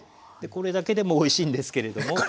これだけでもおいしいんですけれども。